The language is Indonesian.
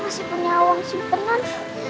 masih punya uang simpenan